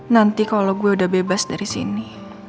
nanti kalau gue udah bebas dari sini